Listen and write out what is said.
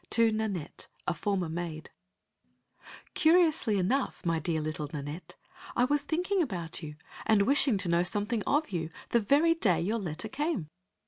To Nanette A Former Maid Curiously enough, my dear little Nanette, I was thinking about you, and wishing to know something of you, the very day your letter came.